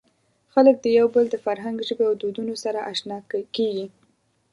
خلک د یو بل د فرهنګ، ژبې او دودونو سره اشنا کېږي.